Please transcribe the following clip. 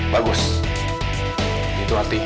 bagus itu artinya